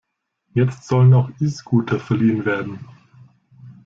Jetzt sollen auch E-Scooter verliehen werden.